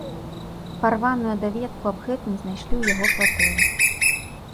Парваную даведку аб гэтым знайшлі ў яго кватэры.